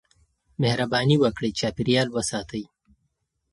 مهرباني وکړئ چاپېريال وساتئ.